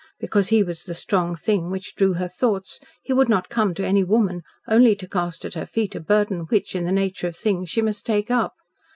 Because he was the strong thing which drew her thoughts, he would not come to any woman only to cast at her feet a burden which, in the nature of things, she must take up.